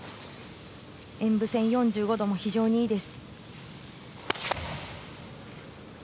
演武線４５度も非常にいいです。